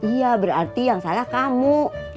iya berarti yang salah kamu